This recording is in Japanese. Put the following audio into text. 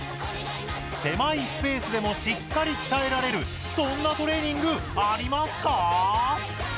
狭いスペースでもしっかり鍛えられるそんなトレーニングありますか？